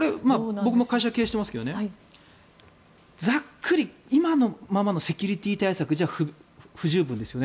僕も会社を経営していますがざっくり、今のままのセキュリティー対策じゃ不十分ですよね